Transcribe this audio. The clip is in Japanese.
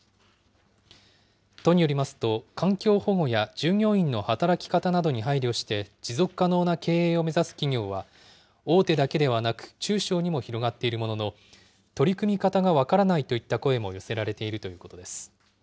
都によりますと、環境保護や従業員の働き方などに配慮して、持続可能な経営を目指す企業は、大手だけではなく、中小にも広がっているものの、取り組み方が分からないといった声も寄せられているということです。